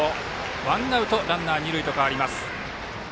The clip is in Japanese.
ワンアウトランナー、二塁へと変わります。